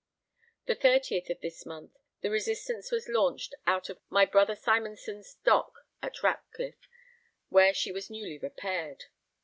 The 30th of this month, the Resistance was launched out of my brother Simonson's Dock at Ratcliff, where she was newly repaired.